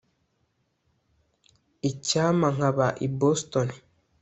Icyampa nkaba i Boston